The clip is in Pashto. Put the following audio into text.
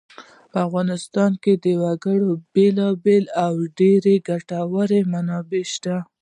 په افغانستان کې د وګړي بېلابېلې او ډېرې ګټورې منابع شته.